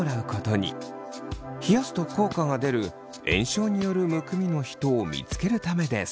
冷やすと効果が出る炎症によるむくみの人を見つけるためです。